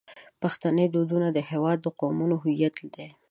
پښتني دودونه د هیواد د قومونو هویت دی.